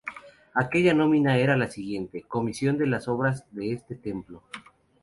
Aquella nómina era la siguiente: ""Comisión de las obras de este templo.